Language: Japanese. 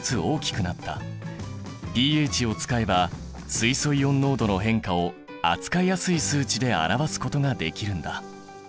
ｐＨを使えば水素イオン濃度の変化を扱いやすい数値で表すことができるんだ。